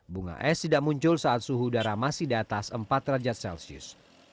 bunga es tidak muncul saat suhu udara masih di atas empat derajat celcius